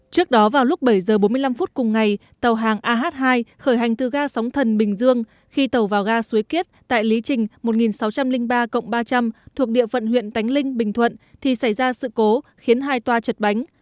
trước đó vào lúc bảy h bốn mươi năm phút cùng ngày tàu hàng ah hai khởi hành từ ga sóng thần bình dương khi tàu vào ga suối kiết tại lý trình một nghìn sáu trăm linh ba ba trăm linh thuộc địa phận huyện tánh linh bình thuận thì xảy ra sự cố khiến hai toa chật bánh